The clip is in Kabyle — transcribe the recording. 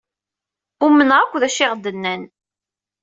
Umneɣ akk d acu i ɣ-d-nnan.